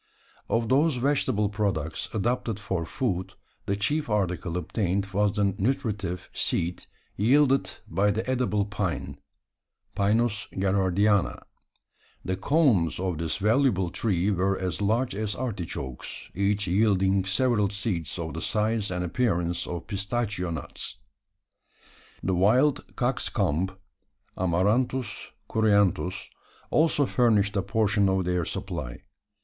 Of those vegetable products adapted for food, the chief article obtained was the nutritive seed yielded by the edible pine (Pinus Gerardiana). The cones of this valuable tree were as large as artichokes; each yielding several seeds of the size and appearance of pistachio nuts. The wild cockscomb (Amaranthus Cruentus) also furnished a portion of their supply.